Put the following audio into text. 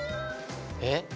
えっ？